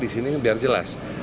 di sini biar jelas